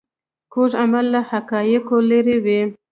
کوږ عمل له حقایقو لیرې وي